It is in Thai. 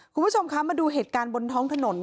คุณผู้ชมคะมาดูเหตุการณ์บนท้องถนน